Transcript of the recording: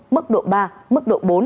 mức độ ba mức độ bốn